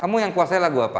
kamu yang kuasai lagu apa